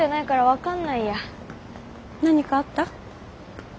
何かあった？